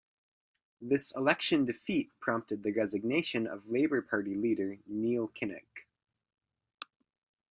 This election defeat prompted the resignation of Labour Party leader Neil Kinnock.